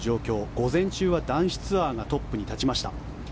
午前中は男子ツアーがトップに立ちました。